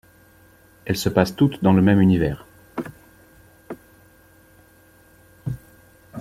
Elles se passent toutes dans le même univers.